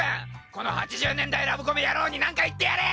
この８０年代ラブコメ野郎になんか言ってやれ！